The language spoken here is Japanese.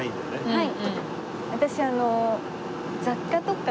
はい。